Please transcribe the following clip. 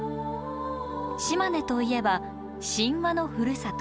島根といえば神話のふるさと。